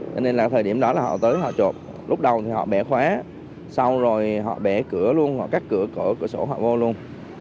cho nên là thời điểm đó là họ tới họ chuột lúc đầu thì họ bẻ khóa xong rồi họ bẻ cửa luôn họ cắt cửa cửa cửa cửa sổ họ vô luôn